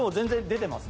出てます